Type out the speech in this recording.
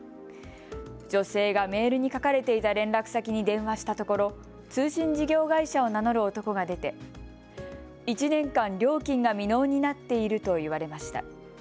女性がメールに書かれていた連絡先に電話したところ通信事業会社を名乗る男が出て１年間料金が未納になっていると言われました。